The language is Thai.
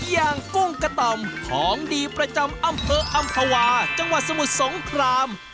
กุ้งกะต่อมของดีประจำอำเภออำภาวาจังหวัดสมุทรสงคราม